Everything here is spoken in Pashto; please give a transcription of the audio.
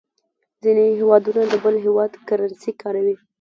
ځینې هېوادونه د بل هېواد کرنسي کاروي.